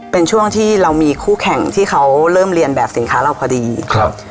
เป็นช่วงที่เรามีคู่แข่งที่เขาเริ่มเรียนแบบสินค้าเราพอดีครับ